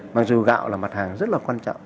mặc dù gạo là mặt hàng rất là quan trọng